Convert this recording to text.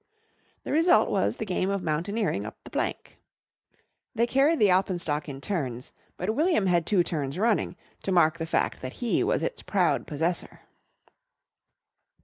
The result was the game of mountaineering up the plank. They carried the alpenstock in turns, but William had two turns running to mark the fact that he was its proud possessor.